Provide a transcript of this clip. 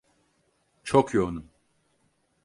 Çok yoğunum.